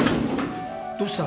どうした？